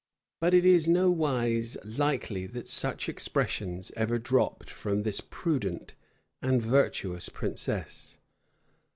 [*] But it is nowise likely that such expressions ever dropped from this prudent and virtuous princess.